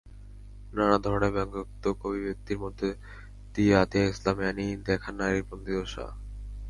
নানা ধরনের ব্যঙ্গাত্মক অভিব্যক্তির মধ্যে দিয়ে আতিয়া ইসলাম এ্যানী দেখান নারীর বন্দিদশা।